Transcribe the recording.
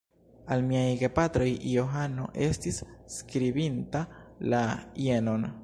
Al miaj gepatroj Johano estis skribinta la jenon: